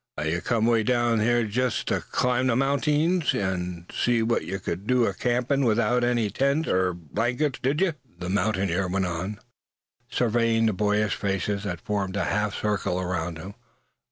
"An' yuh kim 'way down this away jest tuh climb the mountings, an' see wot yuh cud do acampin' out without ary tents er blankets, did yuh?" the mountaineer went on, surveying the boyish faces that formed a half circle around him.